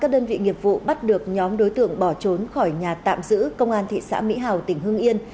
các đơn vị nghiệp vụ bắt được nhóm đối tượng bỏ trốn khỏi nhà tạm giữ công an thị xã mỹ hào tỉnh hương yên